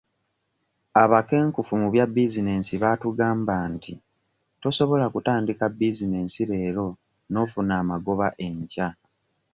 Abakenkufu mu bya bizinesi baatugamba nti tosobola kutandika bizinesi leero n'ofuna amagoba enkya.